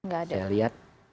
gak ada saya liat